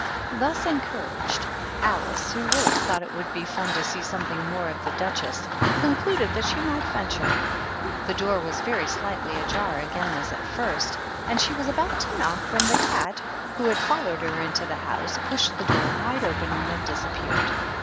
Thus encouraged, Alice, who really thought it would be fan to see something more of the Duchess, concluded that she might venture. The door was very slightly ajar again as at first, and she was about to knock, when the cat, who had followed her into the house, pushed the door wide open and then disappeared.